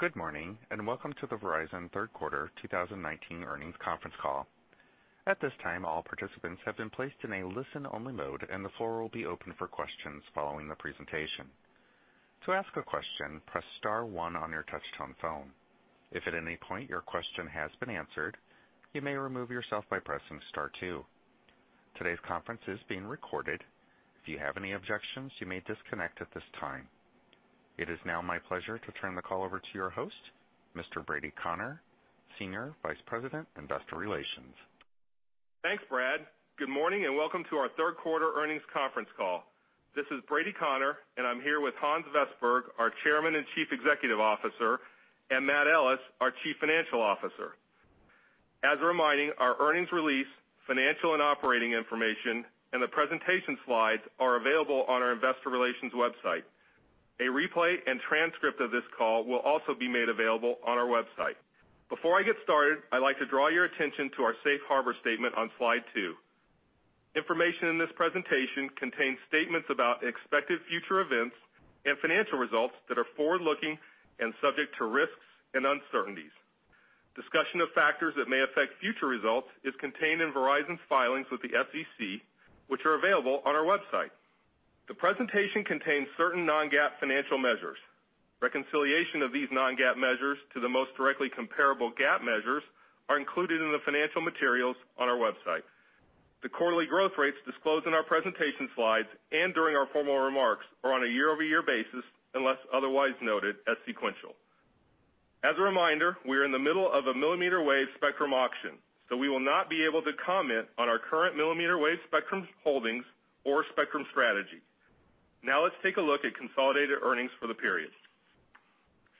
Good morning, and welcome to the Verizon third quarter 2019 earnings conference call. At this time, all participants have been placed in a listen-only mode, and the floor will be open for questions following the presentation. To ask a question, press star one on your touch-tone phone. If at any point your question has been answered, you may remove yourself by pressing star two. Today's conference is being recorded. If you have any objections, you may disconnect at this time. It is now my pleasure to turn the call over to your host, Mr. Brady Connor, Senior Vice President, Investor Relations. Thanks, Brad. Good morning, and welcome to our third quarter earnings conference call. This is Brady Connor, and I'm here with Hans Vestberg, our Chairman and Chief Executive Officer, and Matt Ellis, our Chief Financial Officer. As a reminder, our earnings release, financial and operating information, and the presentation slides are available on our investor relations website. A replay and transcript of this call will also be made available on our website. Before I get started, I'd like to draw your attention to our safe harbor statement on Slide two. Information in this presentation contains statements about expected future events and financial results that are forward-looking and subject to risks and uncertainties. Discussion of factors that may affect future results is contained in Verizon's filings with the SEC, which are available on our website. The presentation contains certain non-GAAP financial measures. Reconciliation of these non-GAAP measures to the most directly comparable GAAP measures are included in the financial materials on our website. The quarterly growth rates disclosed in our presentation slides and during our formal remarks are on a year-over-year basis, unless otherwise noted as sequential. As a reminder, we are in the middle of a millimeter wave spectrum auction, so we will not be able to comment on our current millimeter wave spectrum holdings or spectrum strategy. Now let's take a look at consolidated earnings for the period.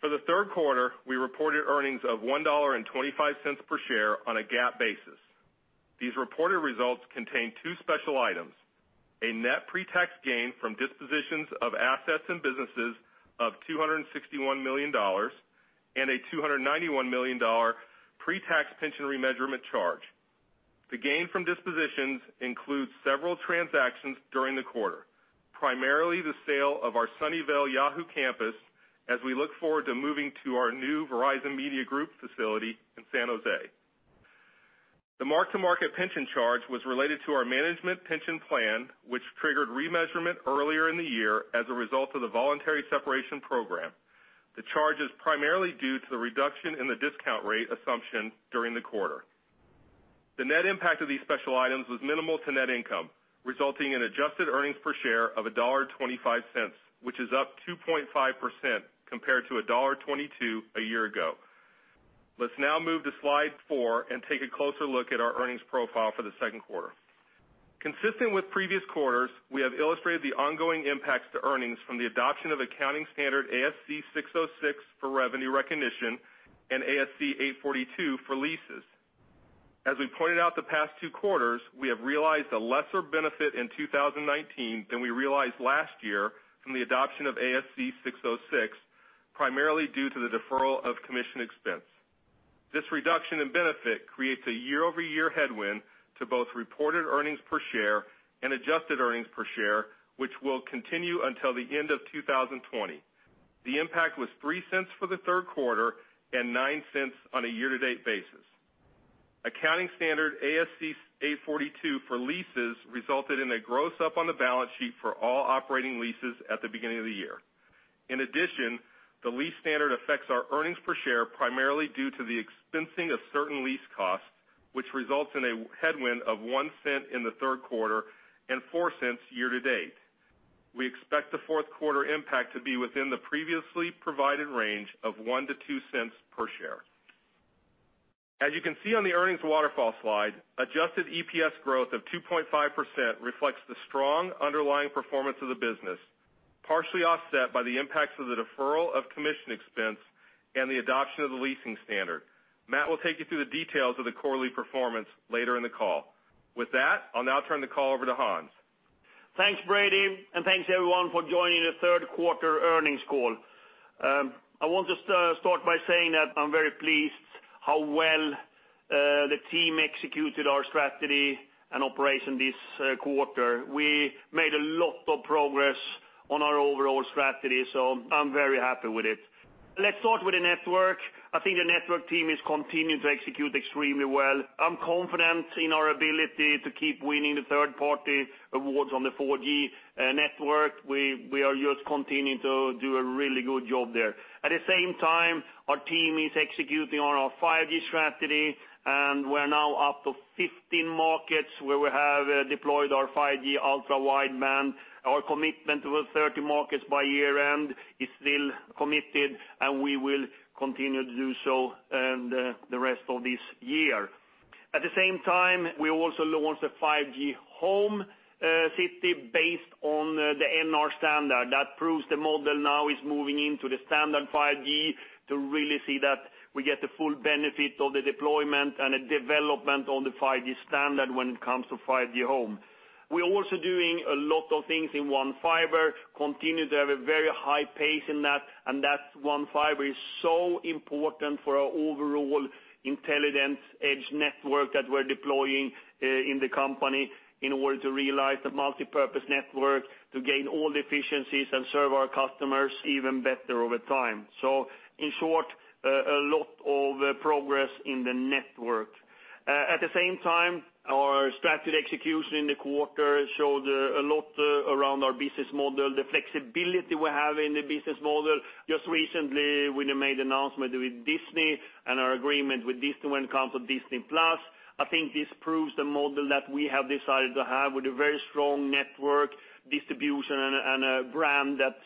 For the third quarter, we reported earnings of $1.25 per share on a GAAP basis. These reported results contain two special items, a net pre-tax gain from dispositions of assets and businesses of $261 million, and a $291 million pre-tax pension remeasurement charge. The gain from dispositions includes several transactions during the quarter, primarily the sale of our Sunnyvale Yahoo! campus, as we look forward to moving to our new Verizon Media facility in San Jose. The mark-to-market pension charge was related to our management pension plan, which triggered remeasurement earlier in the year as a result of the voluntary separation program. The charge is primarily due to the reduction in the discount rate assumption during the quarter. The net impact of these special items was minimal to net income, resulting in adjusted earnings per share of $1.25, which is up 2.5% compared to $1.22 a year ago. Let's now move to Slide four and take a closer look at our earnings profile for the second quarter. Consistent with previous quarters, we have illustrated the ongoing impacts to earnings from the adoption of accounting standard ASC 606 for revenue recognition and ASC 842 for leases. As we pointed out the past two quarters, we have realized a lesser benefit in 2019 than we realized last year from the adoption of ASC 606, primarily due to the deferral of commission expense. This reduction in benefit creates a year-over-year headwind to both reported earnings per share and adjusted earnings per share, which will continue until the end of 2020. The impact was $0.03 for the third quarter and $0.09 on a year-to-date basis. Accounting standard ASC 842 for leases resulted in a gross up on the balance sheet for all operating leases at the beginning of the year. In addition, the lease standard affects our earnings per share primarily due to the expensing of certain lease costs, which results in a headwind of $0.01 in the third quarter and $0.04 year-to-date. We expect the fourth quarter impact to be within the previously provided range of $0.01-$0.02 per share. As you can see on the earnings waterfall slide, adjusted EPS growth of 2.5% reflects the strong underlying performance of the business, partially offset by the impacts of the deferral of commission expense and the adoption of the leasing standard. Matt will take you through the details of the quarterly performance later in the call. With that, I'll now turn the call over to Hans. Thanks, Brady, and thanks everyone for joining the third quarter earnings call. I want to start by saying that I'm very pleased how well the team executed our strategy and operation this quarter. We made a lot of progress on our overall strategy. I'm very happy with it. Let's start with the network. I think the network team is continuing to execute extremely well. I'm confident in our ability to keep winning the third-party awards on the 4G network. We are just continuing to do a really good job there. At the same time, our team is executing on our 5G strategy, and we're now up to 15 markets where we have deployed our 5G Ultra Wideband. Our commitment to 30 markets by year-end is still committed, and we will continue to do so the rest of this year. At the same time, we also launched a 5G Home based on the NR standard. That proves the model now is moving into the standard 5G to really see that we get the full benefit of the deployment and a development on the 5G standard when it comes to 5G Home. We're also doing a lot of things in One Fiber, continue to have a very high pace in that, and that One Fiber is so important for our overall intelligence edge network that we're deploying in the company in order to realize the multipurpose network to gain all the efficiencies and serve our customers even better over time. In short, a lot of progress in the network. At the same time, our strategic execution in the quarter showed a lot around our business model, the flexibility we have in the business model. Just recently, we made announcement with Disney and our agreement with Disney when it comes to Disney+. I think this proves the model that we have decided to have with a very strong network distribution and a brand that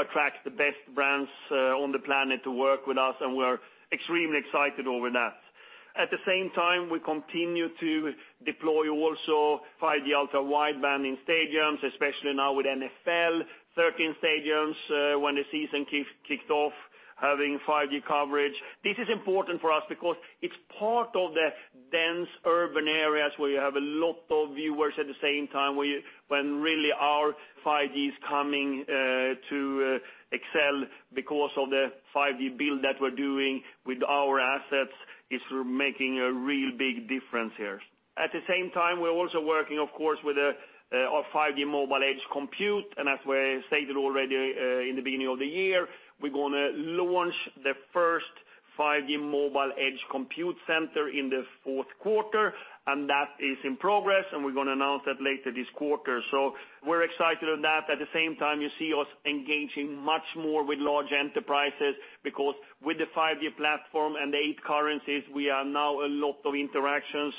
attracts the best brands on the planet to work with us. We're extremely excited over that. At the same time, we continue to deploy also 5G Ultra Wideband in stadiums, especially now with NFL, 13 stadiums, when the season kicked off having 5G coverage. This is important for us because it's part of the dense urban areas where you have a lot of viewers at the same time, when really our 5G is coming to excel because of the 5G build that we're doing with our assets is making a real big difference here. At the same time, we're also working, of course, with our 5G mobile edge compute. As we stated already in the beginning of the year, we're going to launch the first 5G mobile edge compute center in the fourth quarter, and that is in progress, and we're going to announce that later this quarter. We're excited about that. At the same time, you see us engaging much more with large enterprises, because with the 5G platform and the eight currencies, we are now a lot of interactions.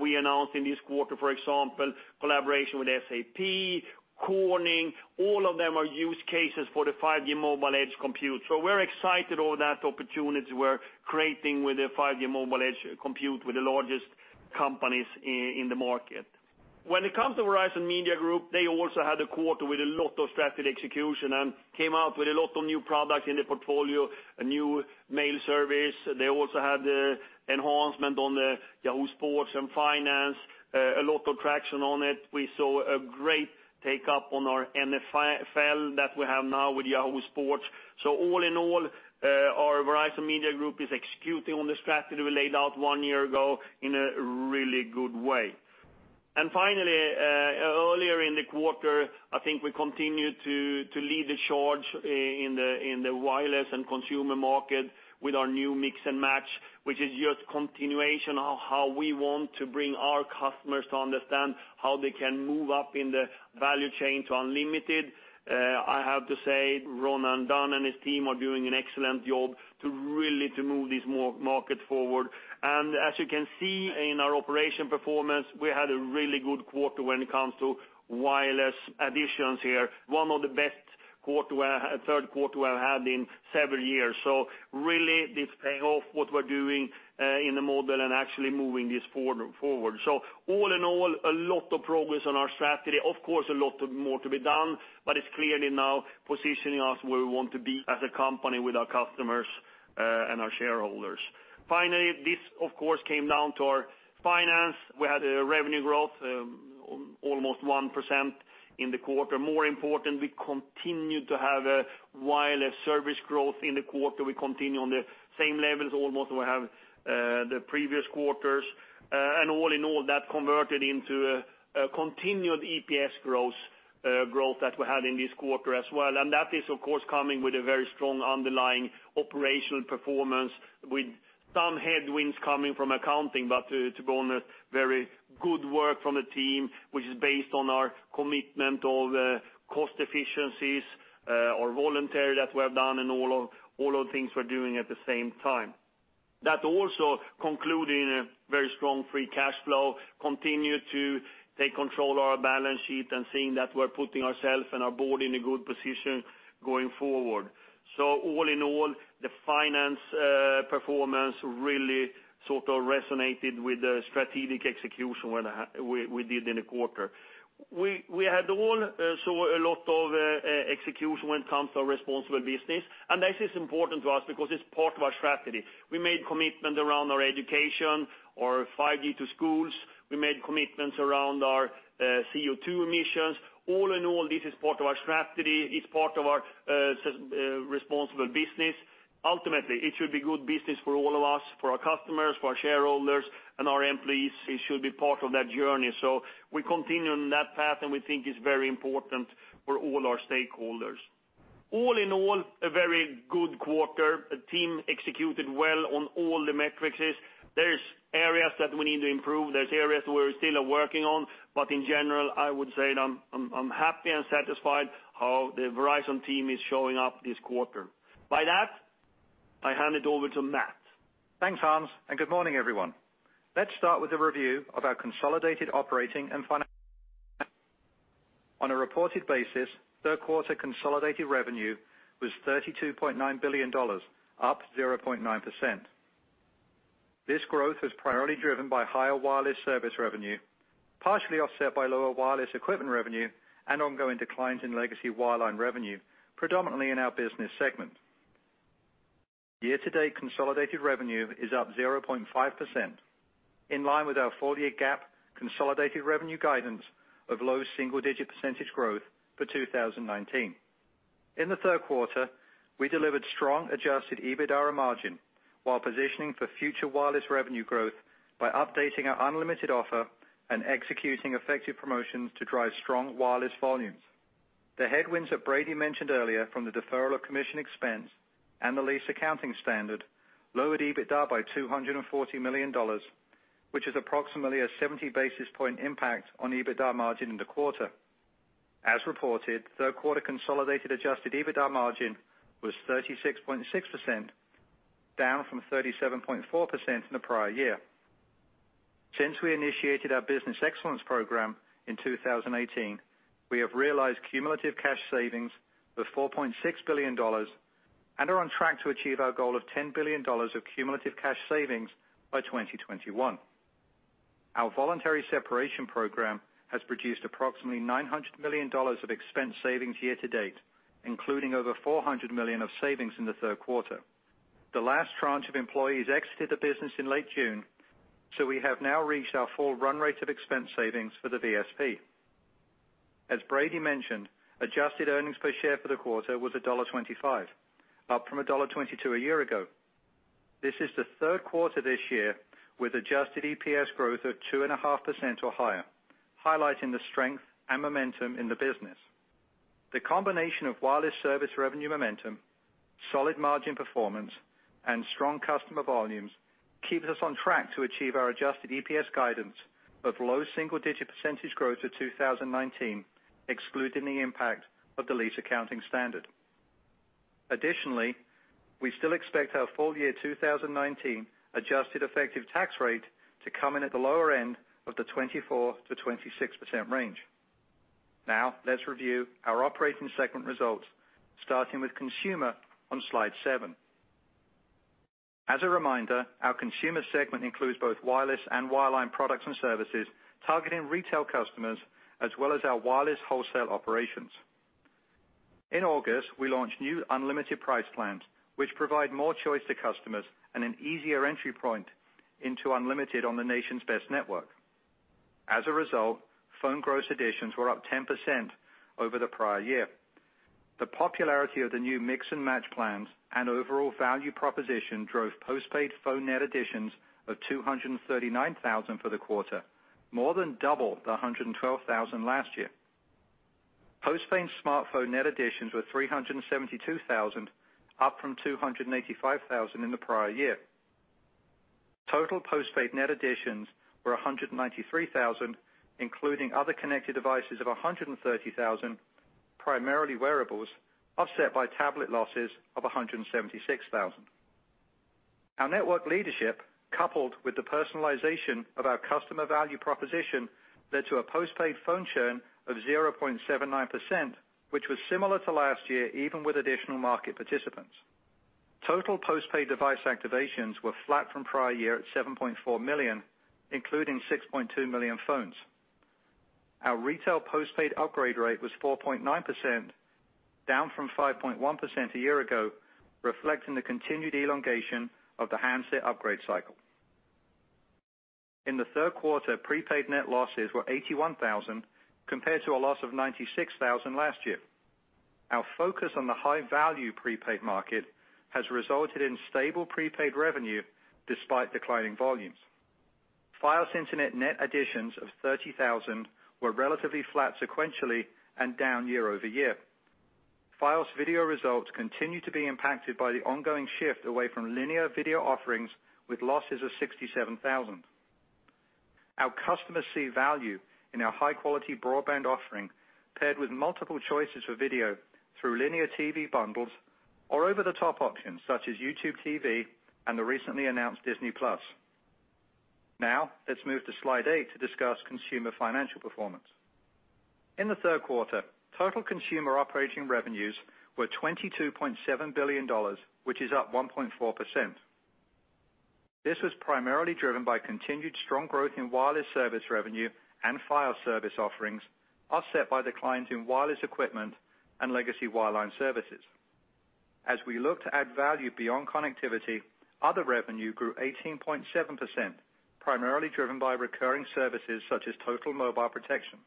We announced in this quarter, for example, collaboration with SAP, Corning. All of them are use cases for the 5G mobile edge compute. We're excited about that opportunity we're creating with the 5G mobile edge compute with the largest companies in the market. When it comes to Verizon Media Group, they also had a quarter with a lot of strategic execution and came out with a lot of new product in the portfolio, a new mail service. They also had enhancement on the Yahoo Sports and Yahoo Finance, a lot of traction on it. We saw a great take-up on our NFL that we have now with Yahoo Sports. All in all, our Verizon Media Group is executing on the strategy we laid out one year ago in a really good way. Finally, earlier in the quarter, I think we continued to lead the charge in the wireless and consumer market with our new mix and match, which is just continuation of how we want to bring our customers to understand how they can move up in the value chain to unlimited. I have to say, Ron and Don and his team are doing an excellent job to really move this market forward. As you can see in our operation performance, we had a really good quarter when it comes to wireless additions here, one of the best third quarter we've had in several years. Really this pay off what we're doing in the model and actually moving this forward. All in all, a lot of progress on our strategy. Of course, a lot more to be done, but it's clearly now positioning us where we want to be as a company with our customers and our shareholders. Finally, this, of course, came down to our finance. We had a revenue growth of almost 1% in the quarter. More important, we continued to have a wireless service growth in the quarter. We continue on the same levels almost we have the previous quarters. All in all, that converted into a continued EPS growth that we had in this quarter as well. That is, of course, coming with a very strong underlying operational performance with some headwinds coming from accounting, but to be honest, very good work from the team, which is based on our commitment of cost efficiencies or voluntary that we have done and all the things we're doing at the same time. That also concluding a very strong free cash flow, continue to take control of our balance sheet and seeing that we're putting ourselves and our board in a good position going forward. All in all, the finance performance really resonated with the strategic execution we did in the quarter. We had also a lot of execution when it comes to responsible business. This is important to us because it's part of our strategy. We made commitment around our education, our 5G to schools. We made commitments around our CO2 emissions. All in all, this is part of our strategy. It's part of our responsible business. Ultimately, it should be good business for all of us, for our customers, for our shareholders, and our employees. It should be part of that journey. We continue on that path, and we think it's very important for all our stakeholders. All in all, a very good quarter. The team executed well on all the metrics. There's areas that we need to improve, there's areas we still are working on. In general, I would say that I'm happy and satisfied how the Verizon team is showing up this quarter. By that, I hand it over to Matt. Thanks, Hans, good morning, everyone. Let's start with a review of our consolidated operating and financial. On a reported basis, third quarter consolidated revenue was $32.9 billion, up 0.9%. This growth was primarily driven by higher wireless service revenue, partially offset by lower wireless equipment revenue and ongoing declines in legacy wireline revenue, predominantly in our business segment. Year-to-date consolidated revenue is up 0.5%, in line with our full-year GAAP consolidated revenue guidance of low single-digit percentage growth for 2019. In the third quarter, we delivered strong adjusted EBITDA margin while positioning for future wireless revenue growth by updating our unlimited offer and executing effective promotions to drive strong wireless volumes. The headwinds that Brady mentioned earlier from the deferral of commission expense and the lease accounting standard lowered EBITDA by $240 million, which is approximately a 70 basis point impact on EBITDA margin in the quarter. As reported, third quarter consolidated adjusted EBITDA margin was 36.6%, down from 37.4% in the prior year. Since we initiated our Business Excellence program in 2018, we have realized cumulative cash savings of $4.6 billion and are on track to achieve our goal of $10 billion of cumulative cash savings by 2021. Our voluntary separation program has produced approximately $900 million of expense savings year-to-date, including over $400 million of savings in the third quarter. The last tranche of employees exited the business in late June, so we have now reached our full run rate of expense savings for the VSP. As Brady mentioned, adjusted earnings per share for the quarter was $1.25, up from $1.22 a year ago. This is the third quarter this year with adjusted EPS growth of 2.5% or higher, highlighting the strength and momentum in the business. The combination of wireless service revenue momentum, solid margin performance, and strong customer volumes keeps us on track to achieve our adjusted EPS guidance of low single-digit % growth to 2019, excluding the impact of the lease accounting standard. Additionally, we still expect our full year 2019 adjusted effective tax rate to come in at the lower end of the 24%-26% range. Let's review our operating segment results, starting with Consumer on slide seven. As a reminder, our Consumer segment includes both wireless and wireline products and services targeting retail customers, as well as our wireless wholesale operations. In August, we launched new unlimited price plans, which provide more choice to customers and an easier entry point into unlimited on the nation's best network. As a result, phone gross additions were up 10% over the prior year. The popularity of the new mix-and-match plans and overall value proposition drove postpaid phone net additions of 239,000 for the quarter, more than double the 112,000 last year. Postpaid smartphone net additions were 372,000, up from 285,000 in the prior year. Total postpaid net additions were 193,000, including other connected devices of 130,000, primarily wearables, offset by tablet losses of 176,000. Our network leadership, coupled with the personalization of our customer value proposition, led to a postpaid phone churn of 0.79%, which was similar to last year, even with additional market participants. Total postpaid device activations were flat from prior year at 7.4 million, including 6.2 million phones. Our retail postpaid upgrade rate was 4.9%, down from 5.1% a year ago, reflecting the continued elongation of the handset upgrade cycle. In the third quarter, prepaid net losses were 81,000, compared to a loss of 96,000 last year. Our focus on the high-value prepaid market has resulted in stable prepaid revenue despite declining volumes. Fios Internet net additions of 30,000 were relatively flat sequentially and down year-over-year. Fios video results continue to be impacted by the ongoing shift away from linear video offerings, with losses of 67,000. Our customers see value in our high-quality broadband offering, paired with multiple choices for video through linear TV bundles or over-the-top options, such as YouTube TV and the recently announced Disney+. Let's move to slide eight to discuss consumer financial performance. In the third quarter, total consumer operating revenues were $22.7 billion, which is up 1.4%. This was primarily driven by continued strong growth in wireless service revenue and Fios service offerings, offset by declines in wireless equipment and legacy wireline services. As we look to add value beyond connectivity, other revenue grew 18.7%, primarily driven by recurring services such as Total Mobile Protection.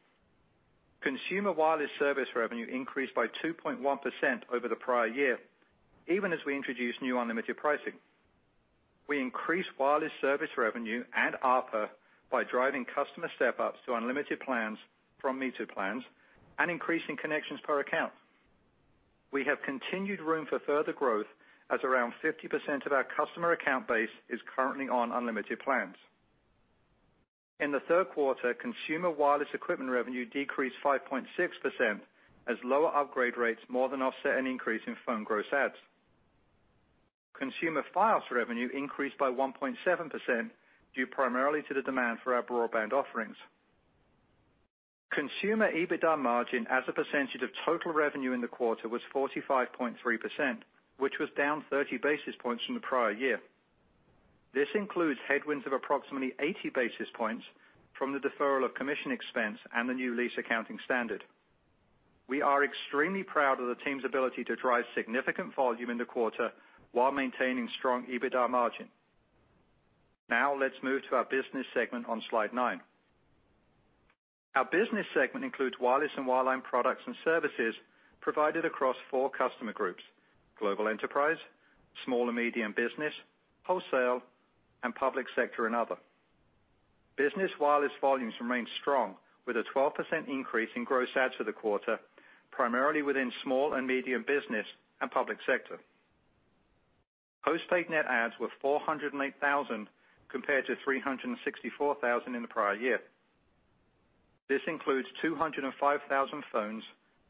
Consumer wireless service revenue increased by 2.1% over the prior year, even as we introduced new unlimited pricing. We increased wireless service revenue and ARPA by driving customer step-ups to unlimited plans from metered plans and increasing connections per account. We have continued room for further growth, as around 50% of our customer account base is currently on unlimited plans. In the third quarter, consumer wireless equipment revenue decreased 5.6% as lower upgrade rates more than offset an increase in phone gross adds. Consumer Fios revenue increased by 1.7%, due primarily to the demand for our broadband offerings. Consumer EBITDA margin as a percentage of total revenue in the quarter was 45.3%, which was down 30 basis points from the prior year. This includes headwinds of approximately 80 basis points from the deferral of commission expense and the new lease accounting standard. We are extremely proud of the team's ability to drive significant volume in the quarter while maintaining strong EBITDA margin. Now let's move to our Business segment on slide nine. Our Business segment includes wireless and wireline products and services provided across four customer groups: Global Enterprise, Small and Medium Business, Wholesale, and Public Sector and Other. Business wireless volumes remained strong with a 12% increase in gross adds to the quarter, primarily within Small and Medium Business and Public Sector. postpaid net adds were 408,000 compared to 364,000 in the prior year. This includes 205,000 phones,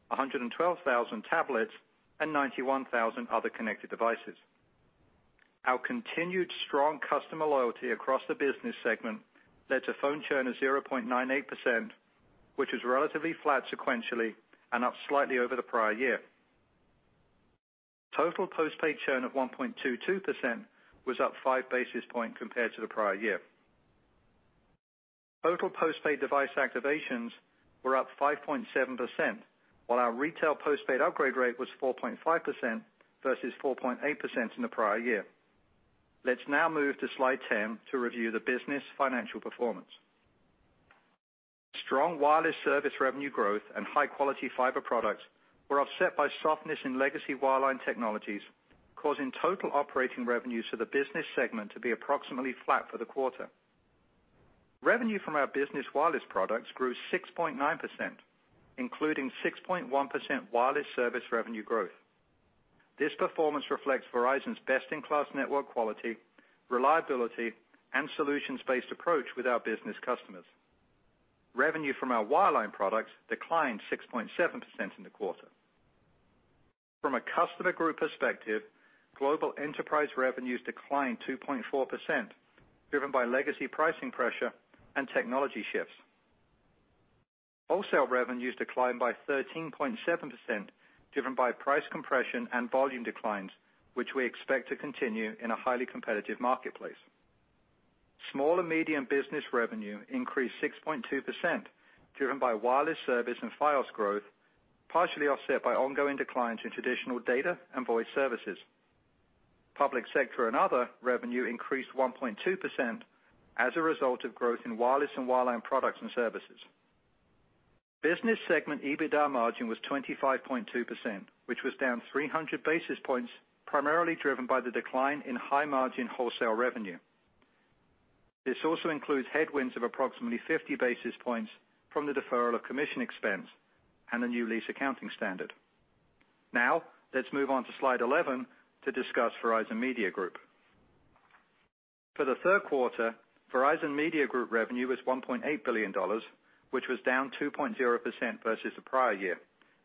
112,000 tablets, and 91,000 other connected devices. Our continued strong customer loyalty across the Business segment led to phone churn of 0.98%, which is relatively flat sequentially and up slightly over the prior year. Total postpaid churn of 1.22% was up 5 basis points compared to the prior year. Total postpaid device activations were up 5.7%, while our retail postpaid upgrade rate was 4.5% versus 4.8% in the prior year. Let's now move to slide 10 to review the business financial performance. Strong wireless service revenue growth and high-quality fiber products were offset by softness in legacy wireline technologies, causing total operating revenues to the business segment to be approximately flat for the quarter. Revenue from our business wireless products grew 6.9%, including 6.1% wireless service revenue growth. This performance reflects Verizon's best-in-class network quality, reliability, and solutions-based approach with our business customers. Revenue from our wireline products declined 6.7% in the quarter. From a customer group perspective, global enterprise revenues declined 2.4%, driven by legacy pricing pressure and technology shifts. Wholesale revenues declined by 13.7%, driven by price compression and volume declines, which we expect to continue in a highly competitive marketplace. Small and medium business revenue increased 6.2%, driven by wireless service and Fios growth, partially offset by ongoing declines in traditional data and voice services. Public sector and other revenue increased 1.2% as a result of growth in wireless and wireline products and services. Business segment EBITDA margin was 25.2%, which was down 300 basis points, primarily driven by the decline in high-margin wholesale revenue. This also includes headwinds of approximately 50 basis points from the deferral of commission expense and a new lease accounting standard. Now, let's move on to slide 11 to discuss Verizon Media Group. For the third quarter, Verizon Media Group revenue was $1.8 billion, which was down 2.0% versus the prior year,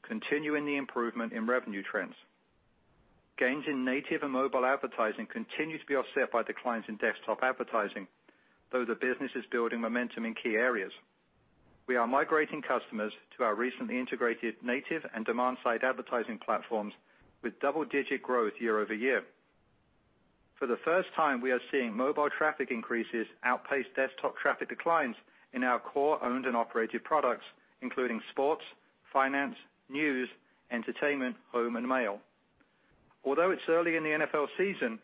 continuing the improvement in revenue trends. Gains in native and mobile advertising continue to be offset by declines in desktop advertising, though the business is building momentum in key areas. We are migrating customers to our recently integrated native and demand-side advertising platforms with double-digit growth year-over-year. For the first time, we are seeing mobile traffic increases outpace desktop traffic declines in our core owned and operated products, including Sports, Finance, News, Entertainment, home, and mail. Although it's early in the NFL season,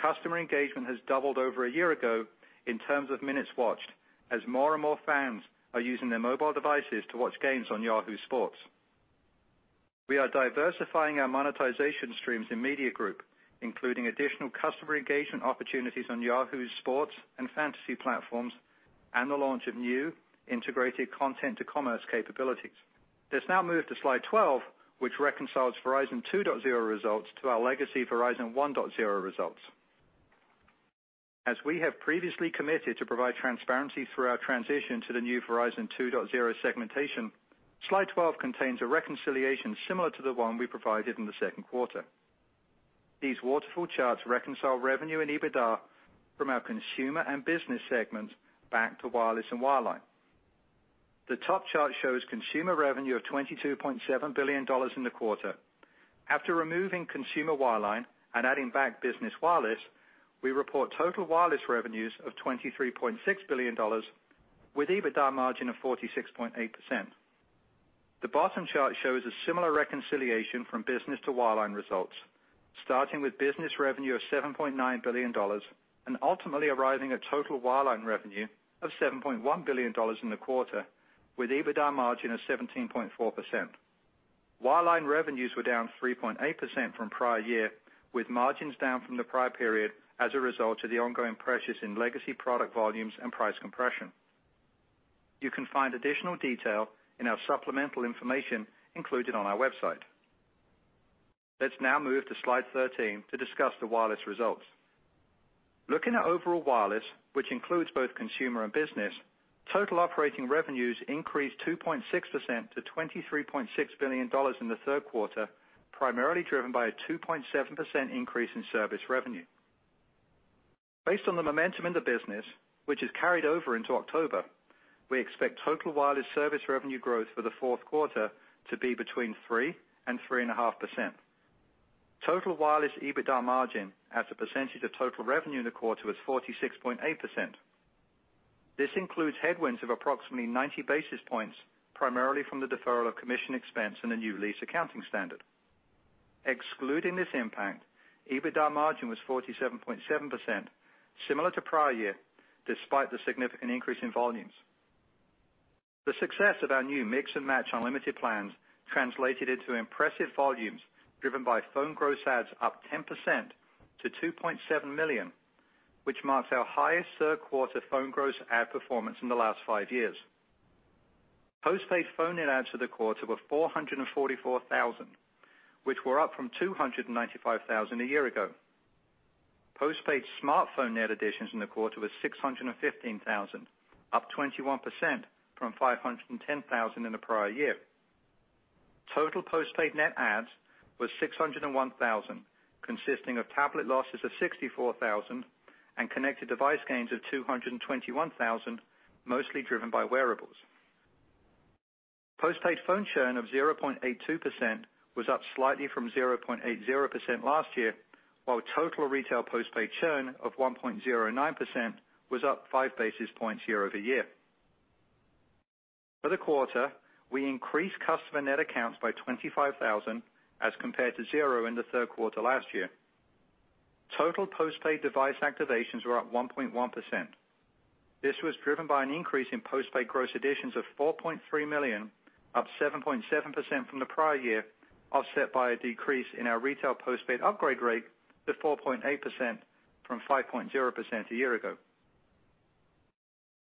customer engagement has doubled over a year ago in terms of minutes watched, as more and more fans are using their mobile devices to watch games on Yahoo Sports. We are diversifying our monetization streams in Media Group, including additional customer engagement opportunities on Yahoo's Sports and fantasy platforms and the launch of new integrated content to commerce capabilities. Let's now move to slide 12, which reconciles Verizon 2.0 results to our legacy Verizon 1.0 results. As we have previously committed to provide transparency through our transition to the new Verizon 2.0 segmentation, slide 12 contains a reconciliation similar to the one we provided in the second quarter. These waterfall charts reconcile revenue and EBITDA from our Consumer and Business segments back to Wireless and Wireline. The top chart shows Consumer revenue of $22.7 billion in the quarter. After removing Consumer Wireline and adding back Business Wireless, we report total Wireless revenues of $23.6 billion with EBITDA margin of 46.8%. The bottom chart shows a similar reconciliation from Business to Wireline results, starting with Business revenue of $7.9 billion and ultimately arriving at total Wireline revenue of $7.1 billion in the quarter, with EBITDA margin of 17.4%. Wireline revenues were down 3.8% from prior year, with margins down from the prior period as a result of the ongoing pressures in legacy product volumes and price compression. You can find additional detail in our supplemental information included on our website. Let's now move to slide 13 to discuss the wireless results. Looking at overall wireless, which includes both consumer and business, total operating revenues increased 2.6% to $23.6 billion in the third quarter, primarily driven by a 2.7% increase in service revenue. Based on the momentum in the business, which is carried over into October, we expect total wireless service revenue growth for the fourth quarter to be between 3% and 3.5%. Total wireless EBITDA margin as a percentage of total revenue in the quarter was 46.8%. This includes headwinds of approximately 90 basis points, primarily from the deferral of commission expense in the new lease accounting standard. Excluding this impact, EBITDA margin was 47.7%, similar to prior year, despite the significant increase in volumes. The success of our new mix and match unlimited plans translated into impressive volumes driven by phone gross adds up 10% to 2.7 million, which marks our highest third quarter phone gross add performance in the last five years. Postpaid phone net adds for the quarter were 444,000, which were up from 295,000 a year ago. Postpaid smartphone net additions in the quarter were 615,000, up 21% from 510,000 in the prior year. Total postpaid net adds was 601,000, consisting of tablet losses of 64,000 and connected device gains of 221,000, mostly driven by wearables. Postpaid phone churn of 0.82% was up slightly from 0.80% last year, while total retail postpaid churn of 1.09% was up five basis points year-over-year. For the quarter, we increased customer net accounts by 25,000 as compared to zero in the third quarter last year. Total postpaid device activations were up 1.1%. This was driven by an increase in postpaid gross additions of 4.3 million, up 7.7% from the prior year, offset by a decrease in our retail postpaid upgrade rate to 4.8% from 5.0% a year ago.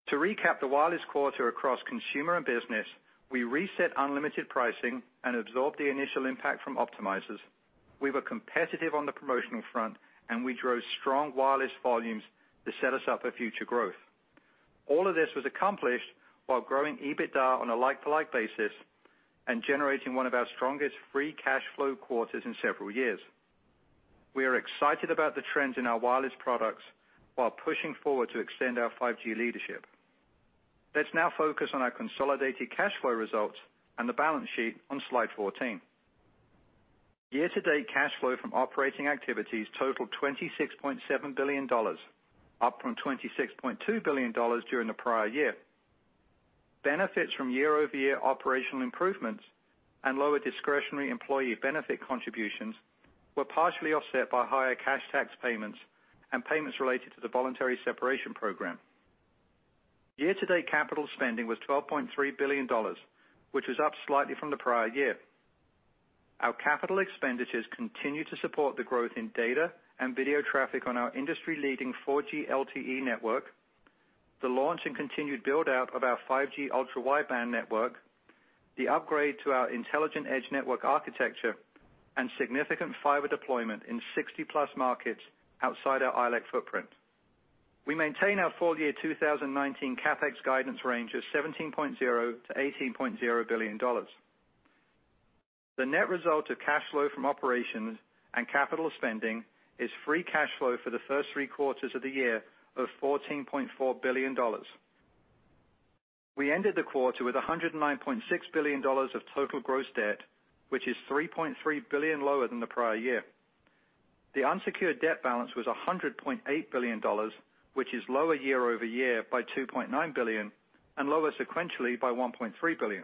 To recap the wireless quarter across Consumer and Business, we reset unlimited pricing and absorbed the initial impact from optimizers. We were competitive on the promotional front, we drove strong wireless volumes to set us up for future growth. All of this was accomplished while growing EBITDA on a like-to-like basis and generating one of our strongest free cash flow quarters in several years. We are excited about the trends in our wireless products while pushing forward to extend our 5G leadership. Let's now focus on our consolidated cash flow results and the balance sheet on slide 14. Year-to-date cash flow from operating activities totaled $26.7 billion, up from $26.2 billion during the prior year. Benefits from year-over-year operational improvements and lower discretionary employee benefit contributions were partially offset by higher cash tax payments and payments related to the voluntary separation program. Year-to-date capital spending was $12.3 billion, which was up slightly from the prior year. Our capital expenditures continue to support the growth in data and video traffic on our industry-leading 4G LTE network, the launch and continued build-out of our 5G Ultra Wideband network, the upgrade to our intelligent edge network architecture, and significant fiber deployment in 60-plus markets outside our ILEC footprint. We maintain our full year 2019 CapEx guidance range of $17.0 billion-$18.0 billion. The net result of cash flow from operations and capital spending is free cash flow for the first three quarters of the year of $14.4 billion. We ended the quarter with $109.6 billion of total gross debt, which is $3.3 billion lower than the prior year. The unsecured debt balance was $100.8 billion, which is lower year-over-year by $2.9 billion and lower sequentially by $1.3 billion.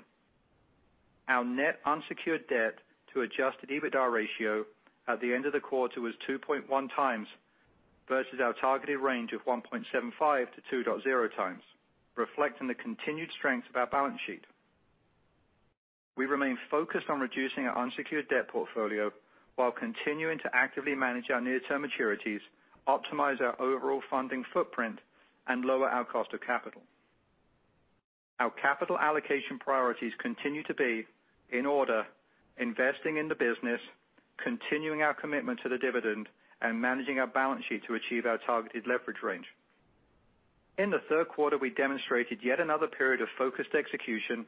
Our net unsecured debt to adjusted EBITDA ratio at the end of the quarter was 2.1x versus our targeted range of 1.75x-2.0x, reflecting the continued strength of our balance sheet. We remain focused on reducing our unsecured debt portfolio while continuing to actively manage our near-term maturities, optimize our overall funding footprint, and lower our cost of capital. Our capital allocation priorities continue to be, in order, investing in the business, continuing our commitment to the dividend, and managing our balance sheet to achieve our targeted leverage range. In the third quarter, we demonstrated yet another period of focused execution.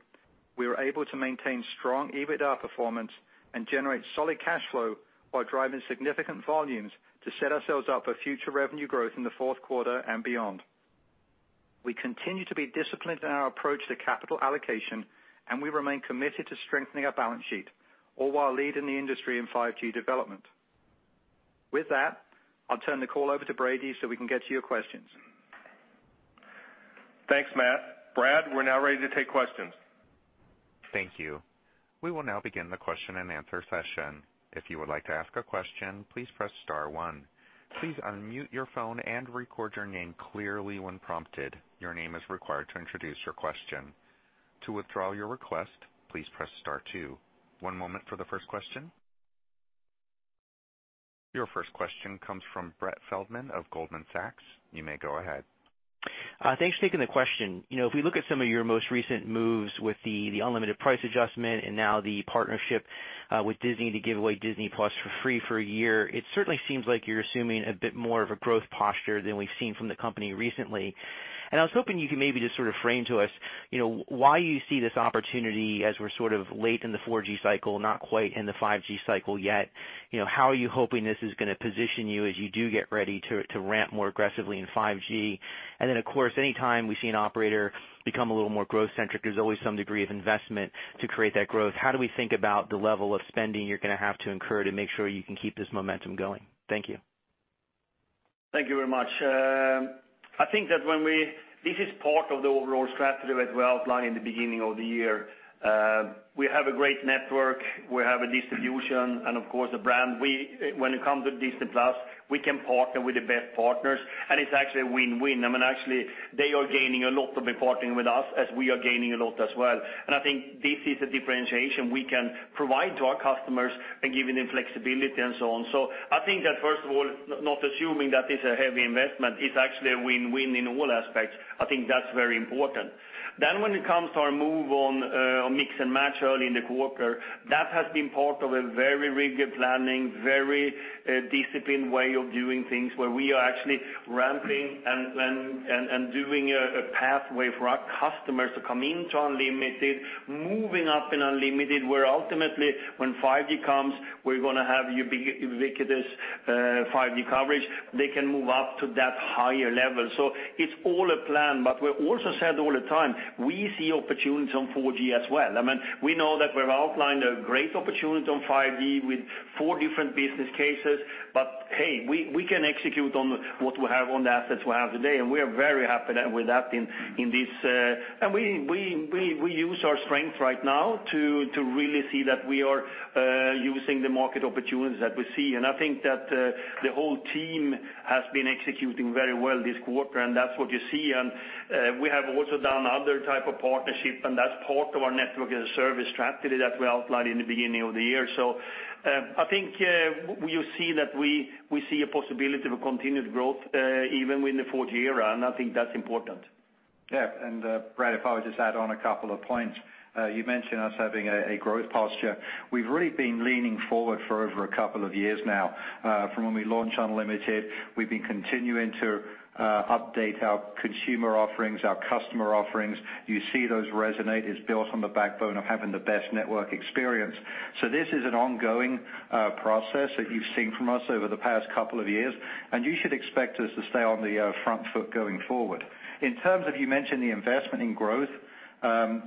We were able to maintain strong EBITDA performance and generate solid cash flow while driving significant volumes to set ourselves up for future revenue growth in the fourth quarter and beyond. We continue to be disciplined in our approach to capital allocation, and we remain committed to strengthening our balance sheet, all while leading the industry in 5G development. With that, I'll turn the call over to Brady so we can get to your questions. Thanks, Matt. Brad, we're now ready to take questions. Thank you. We will now begin the question and answer session. If you would like to ask a question, please press star one. Please unmute your phone and record your name clearly when prompted. Your name is required to introduce your question. To withdraw your request, please press star two. One moment for the first question. Your first question comes from Brett Feldman of Goldman Sachs. You may go ahead. Thanks for taking the question. If we look at some of your most recent moves with the unlimited price adjustment and now the partnership with Disney to give away Disney+ for free for one year, it certainly seems like you're assuming a bit more of a growth posture than we've seen from the company recently. I was hoping you could maybe just sort of frame to us why you see this opportunity as we're sort of late in the 4G cycle, not quite in the 5G cycle yet. How are you hoping this is going to position you as you do get ready to ramp more aggressively in 5G? Of course, any time we see an operator become a little more growth-centric, there's always some degree of investment to create that growth. How do we think about the level of spending you're going to have to incur to make sure you can keep this momentum going? Thank you. Thank you very much. I think that this is part of the overall strategy that we outlined in the beginning of the year. We have a great network, we have a distribution, and of course, a brand. When it comes to Dish, we can partner with the best partners, and it's actually a win-win. Actually, they are gaining a lot by partnering with us, as we are gaining a lot as well. I think this is a differentiation we can provide to our customers and giving them flexibility and so on. I think that first of all, not assuming that it's a heavy investment, it's actually a win-win in all aspects. I think that's very important. When it comes to our move on mix and match early in the quarter, that has been part of a very rigid planning, very disciplined way of doing things, where we are actually ramping and doing a pathway for our customers to come into Unlimited, moving up in Unlimited, where ultimately when 5G comes, we're going to have ubiquitous 5G coverage. They can move up to that higher level. It's all a plan. We also said all the time, we see opportunities on 4G as well. We know that we've outlined a great opportunity on 5G with four different business cases. Hey, we can execute on what we have on the assets we have today, and we are very happy with that in this. We use our strength right now to really see that we are using the market opportunities that we see. I think that the whole team has been executing very well this quarter, and that's what you see. We have also done other type of partnership, and that's part of our network as a service strategy that we outlined in the beginning of the year. I think you see that we see a possibility of a continued growth, even with the 4G era, and I think that's important. Yeah. Brad, if I would just add on a couple of points. You mentioned us having a growth posture. We've really been leaning forward for over a couple of years now. From when we launched Unlimited, we've been continuing to update our consumer offerings, our customer offerings. You see those resonate. It's built on the backbone of having the best network experience. This is an ongoing process that you've seen from us over the past couple of years, and you should expect us to stay on the front foot going forward. In terms of, you mentioned the investment in growth.